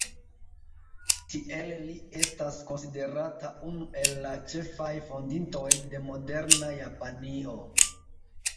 Tiele li estas konsiderata unu el la ĉefaj fondintoj de moderna Japanio.